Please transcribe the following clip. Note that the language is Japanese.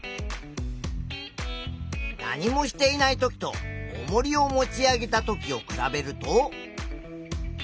何もしていないときとおもりを持ち上げたときを比べると。